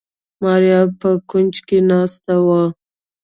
ماريا په کونج کې ناسته وه.